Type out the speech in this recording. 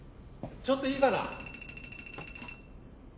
ちょっといいかな？